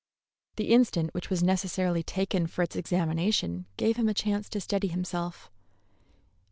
The instant which was necessarily taken for its examination gave him a chance to steady himself.